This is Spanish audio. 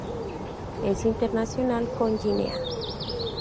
Es internacional con Guinea.